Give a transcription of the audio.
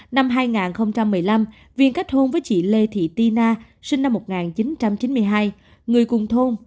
năm hai nghìn một mươi năm viên kết hôn với chị lê thị ti na sinh năm một nghìn chín trăm chín mươi hai người cùng thôn